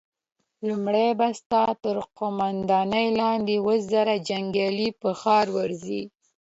لومړی به ستا تر قوماندې لاندې اووه زره جنيګالي پر ښار ورځي!